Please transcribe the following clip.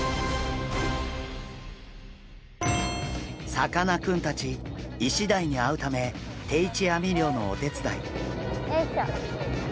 さかなクンたちイシダイに会うため定置網漁のお手伝い。